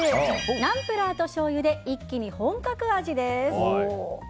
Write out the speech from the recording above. ナンプラー×しょうゆで一気に本格味！です。